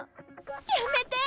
やめて！